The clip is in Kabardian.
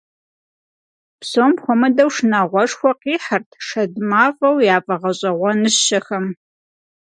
Псом хуэмыдэу шынагъуэшхуэ къихьырт шэд мафӀэу яфӀэгъэщӀэгъуэныщэхэм.